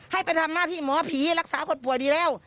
ให้ไปทำหน้าที่หมอผีรักษาคนป่วยดีแล้ว